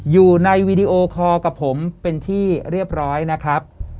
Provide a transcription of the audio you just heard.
อยู่ในวีดีโอคอร์กับผมเป็นที่เรียบร้อยนะครับ